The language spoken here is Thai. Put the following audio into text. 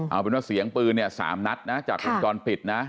เอาเป็นว่าเสียงปืน๓นัดนะจากก่อนปิดนะ